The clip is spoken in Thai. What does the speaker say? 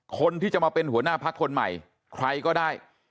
คนที่จะมาเป็นหัวหน้าพักคนใหม่ใครก็ได้